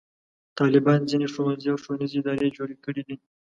طالبانو ځینې ښوونځي او ښوونیزې ادارې جوړې کړې دي.